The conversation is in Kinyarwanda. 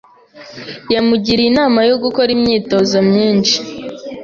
Yamugiriye inama yo gukora imyitozo myinshi.